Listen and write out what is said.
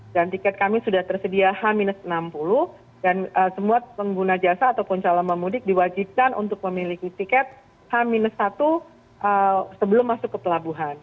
dan tiket kami sudah tersedia h enam puluh dan semua pengguna jasa ataupun calon pemudik diwajibkan untuk memiliki tiket h satu sebelum masuk ke pelabuhan